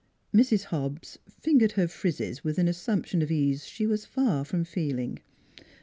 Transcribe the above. Mrs. Hobbs fingered her frizzes with an as sumption of ease she was far from feeling.